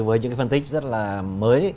với những cái phân tích rất là mới